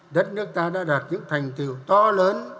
đất nước ta đã đạt những thành tựu to lớn